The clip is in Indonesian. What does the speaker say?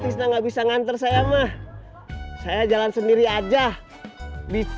ya udah kalau langkah bisa ngantar saya mah saya jalan sendiri aja bisa meereun